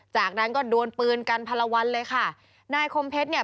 จากนั้นก็ดวนปืนกันพันละวันเลยค่ะนายคมเพชรเนี่ย